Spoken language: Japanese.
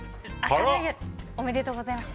おめでとうございます。